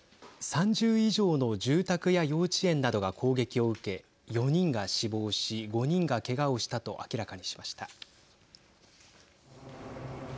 ３０以上の住宅や幼稚園などが攻撃を受け４人が死亡し５人が、けがをしたと明らかにしました。